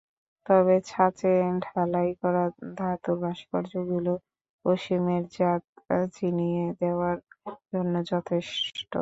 তবে ছাঁচে ঢালাই করা ধাতুর ভাস্কর্যগুলো অসীমের জাত চিনিয়ে দেওয়ার জন্য যথেষ্ট।